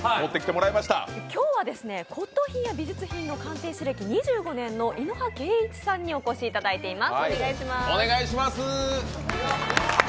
今日は骨とう品や美術品の鑑定歴２５年の猪羽恵一さんにお越しいただいています。